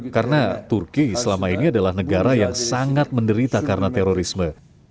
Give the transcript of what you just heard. karena turki selama ini adalah negara yang sangat menderita karena terorisme